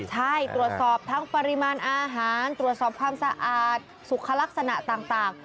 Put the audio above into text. ใช่ตรวจสอบทั้งปริมาณอาหารตรวจสอบความสะอาดสุขลักษณะต่าง